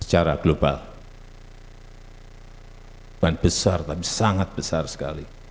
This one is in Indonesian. secara global bukan besar tapi sangat besar sekali